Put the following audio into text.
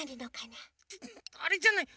あれじゃない？